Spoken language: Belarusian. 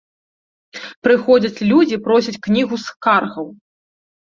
Прыходзяць людзі просяць кнігу скаргаў.